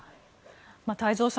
太蔵さん